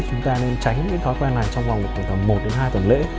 chúng ta nên tránh cái thói quen này trong vòng khoảng tầm một đến hai tuần lễ